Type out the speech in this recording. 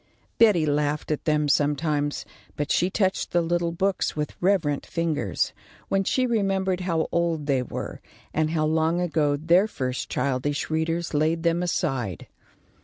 Betty laughed at them sometimes, but she touched the little books with reverent fingers, when she remembered how old they were, and how long ago their first childish readers laid them aside.